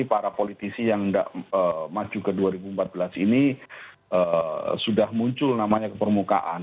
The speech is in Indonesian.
para politisi yang tidak maju ke dua ribu empat belas ini sudah muncul namanya ke permukaan